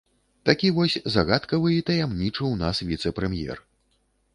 Такі вось загадкавы і таямнічы ў нас віцэ-прэм'ер.